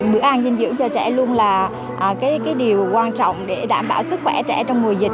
bữa ăn dinh dưỡng cho trẻ luôn là điều quan trọng để đảm bảo sức khỏe trẻ trong mùa dịch